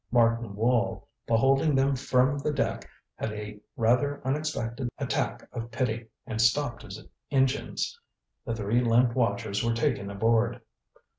Martin Wall, beholding them from the deck, had a rather unexpected attack of pity, and stopped his engines. The three limp watchers were taken aboard.